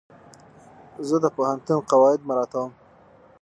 زه د پوهنتون قواعد مراعتوم.